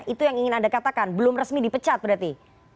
itu yang ingin anda katakan belum resmi dipecat berarti